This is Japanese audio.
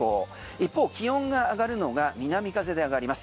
一方、気温が上がるのが南風で上がります。